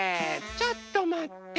ちょっとまって。